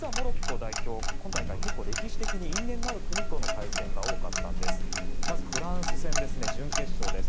今大会、結構歴史的に因縁がある国との対決が多かったんです。